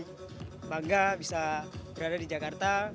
dan mereka juga sangat bangga bisa berada di jakarta